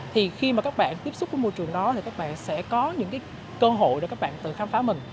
thì khi mà các bạn tiếp xúc với môi trường đó thì các bạn sẽ có những cái cơ hội để các bạn tự khám phá mình